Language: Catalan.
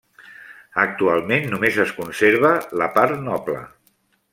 Actualment només es conserva la part noble.